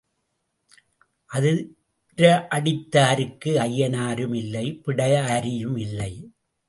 அதிர அடித்தாருக்கு ஐயனாரும் இல்லை பிடாரியும் இல்லை.